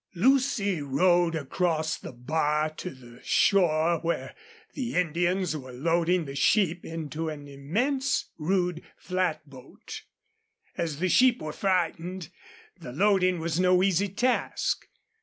Lucy rode across the bar to the shore where the Indians were loading the sheep into an immense rude flatboat. As the sheep were frightened, the loading was no easy task.